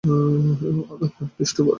তার নাম Christopher heart.